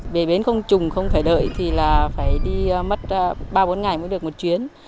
về bến không trùng không phải đợi thì là phải đi mất ba bốn ngày mới được một chuyến